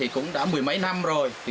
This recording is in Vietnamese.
cũng đã mười mấy năm rồi